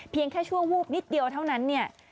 แค่ช่วงวูบนิดเดียวเท่านั้นเนี่ย